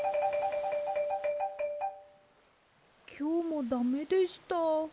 きょうもだめでした。